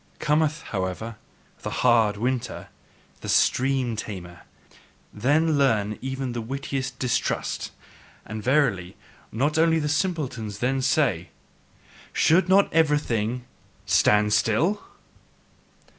Cometh, however, the hard winter, the stream tamer, then learn even the wittiest distrust, and verily, not only the simpletons then say: "Should not everything STAND STILL?"